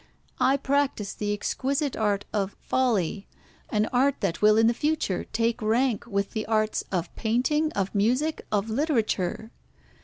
I practise the exquisite art of folly, an art that will in the future take rank with the arts of painting, of music, of literature.